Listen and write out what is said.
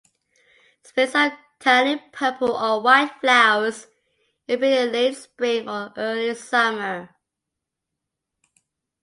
Sprays of tiny purple or white flowers appear in late spring or early summer.